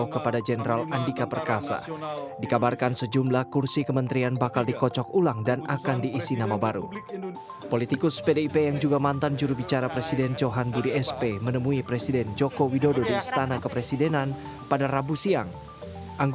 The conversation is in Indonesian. keputusan presiden republik indonesia